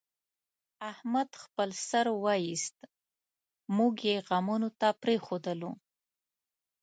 احمد خپل سر وایست، موږ یې غمونو ته پرېښودلو.